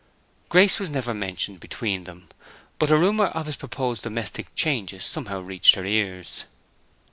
Grace was never mentioned between them, but a rumor of his proposed domestic changes somehow reached her ears.